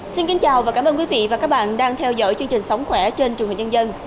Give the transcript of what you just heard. xin kính chào và cảm ơn quý vị và các bạn đang theo dõi chương trình sống khỏe trên trường hợp nhân dân